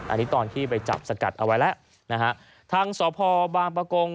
อันนี้ตอนที่ไปจับสกัดเอาไว้แล้วนะฮะทางสพบางประกง